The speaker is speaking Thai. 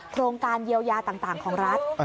โครงการเยียวยาต่างของรัฐ